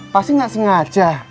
pasti nggak sengaja